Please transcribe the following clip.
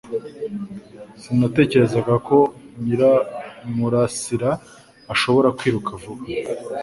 Sinatekerezaga ko Nyiramurasira ashobora kwiruka vuba